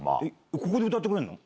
ここで歌ってくれるの？